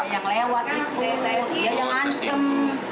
yang lewat itu dia yang ancam